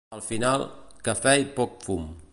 Al final, "cafè i poc fum".